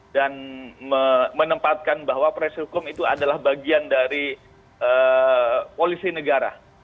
dan menempatkan bahwa presi hukum itu adalah bagian dari polisi negara